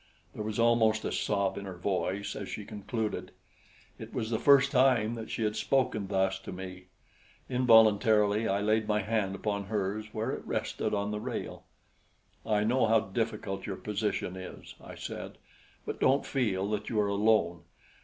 There was almost a sob in her voice as she concluded. It was the first time that she had spoken thus to me. Involuntarily, I laid my hand upon hers where it rested on the rail. "I know how difficult your position is," I said; "but don't feel that you are alone.